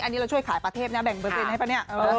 อันนี้เราช่วยขายประเทศนะแบ่งเปอร์เซ็นให้ปะเนี่ย